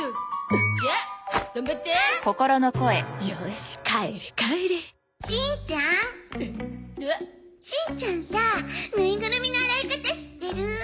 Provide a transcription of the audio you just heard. しんちゃんさぬいぐるみの洗い方知ってる？